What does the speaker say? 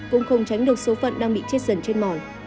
cũng không tránh được số phận đang bị chết dần trên mỏi